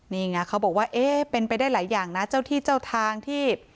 นี่ไงเขาบอกว่าเอ๊ะเป็นไปได้หลายอย่างนะเจ้าที่เจ้าทางที่